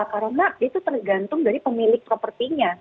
karena itu tergantung dari pemilik propertinya